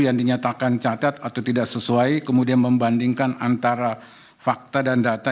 yang dinyatakan catat atau tidak sesuai kemudian membandingkan antara fakta dan data